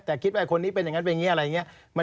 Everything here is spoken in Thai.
แต่คิดว่าคนนี้เป็นอย่างนั้นเป็นอย่างนี้อะไรอย่างนี้